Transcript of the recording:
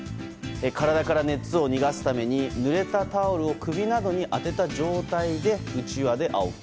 体から熱を逃がすためにぬれたタオルを首などに当てた状態でうちわであおぐ。